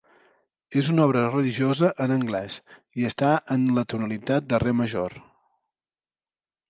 És una obra religiosa en anglès, i està en la tonalitat de re major.